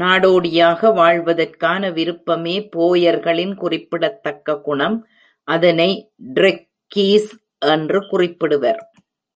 நாடோடியாக வாழ்வதற்கான விருப்பமே போயர்களின் குறிப்பிடத்தக்க குணம். அதனை ’ட்ரெக்கீஸ்’ என்று குறிப்பிடுவர்.